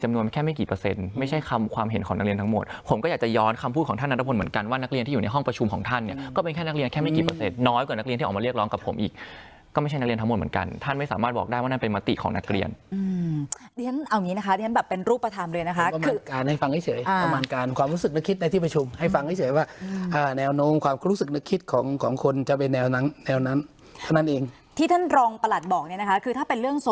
กันท่านไม่สามารถบอกได้ว่านั่นเป็นมติของนักเรียนอืมดิฉันเอาอย่างงี้นะคะดิฉันแบบเป็นรูปประธามเลยนะคะคือประมาณการให้ฟังให้เฉยประมาณการความรู้สึกนึกคิดในที่ประชุมให้ฟังให้เฉยว่าอ่าแนวโน้มความรู้สึกนึกคิดของของคนจะเป็นแนวนั้นแนวนั้นเท่านั้นเองที่ท่านรองประหลัดบอกเน